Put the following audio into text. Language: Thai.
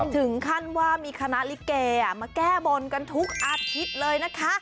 ถึงขั้นว่ามีคณะลิเกมาแก้บนกันทุกอาทิตย์เลยนะคะ